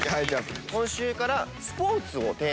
今週から。